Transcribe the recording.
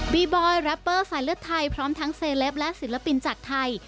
บอยแรปเปอร์สายเลือดไทยพร้อมทั้งเซเลปและศิลปินจากไทย